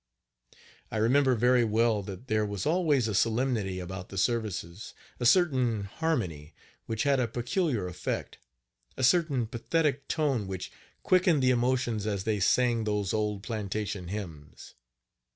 I remember very well that there was always a solemnity about the services a certain harmony, which had a peculiar effect a certain pathetic tone which quickened the emotions as they sang those old plantation hymns.